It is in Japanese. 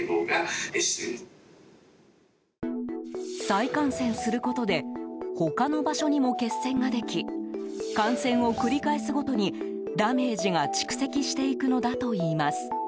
再感染することで他の場所にも血栓ができ感染を繰り返すごとにダメージが蓄積していくのだといいます。